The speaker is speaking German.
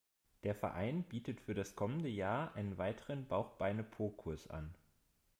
Der Verein bietet für das kommende Jahr einen weiteren Bauch-Beine-Po-Kurs an.